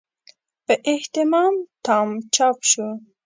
په اهتمام تام چاپ شو.